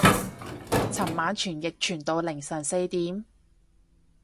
尋晚傳譯傳到凌晨四點